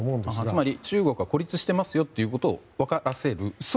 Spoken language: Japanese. つまり中国は孤立してますよということを分からせる。